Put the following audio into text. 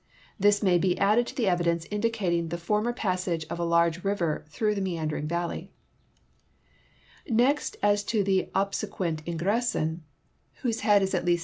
.This mai" be added to the evidence indicating the former passage of a large river through the meandering valle^^ Next as to the obsequent Ingressin, whose head is at least si.